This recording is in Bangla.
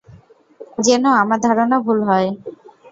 যেন আমার ধারণা ভুল হয়!